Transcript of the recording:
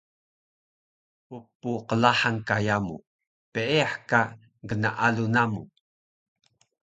Ppqlahang ka yamu, peeyah ka gnaalu namu